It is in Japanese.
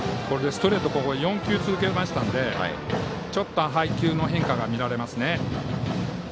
ストレートを４球続けましたのでちょっと配球の変化が見られます。